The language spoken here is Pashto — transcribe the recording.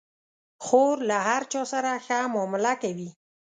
خور له هر چا سره ښه معامله کوي.